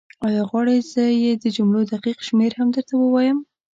ایا غواړې زه یې د جملو دقیق شمېر هم درته ووایم؟